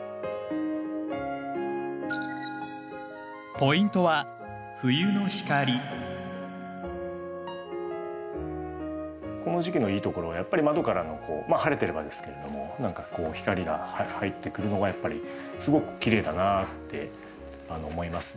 ポイントはこの時期のいいところはやっぱり窓からのまあ晴れてればですけれども何かこう光が入ってくるのがやっぱりすごくきれいだなって思いますね。